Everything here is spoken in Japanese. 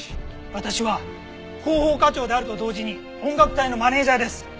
私は広報課長であると同時に音楽隊のマネジャーです。